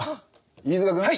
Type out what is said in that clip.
飯塚君？